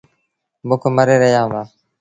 بُک مري رهيآ هُݩدآ۔